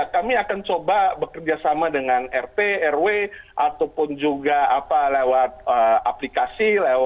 kami akan coba bekerjasama dengan bp rw ataupun juga lewat aplikasi krusen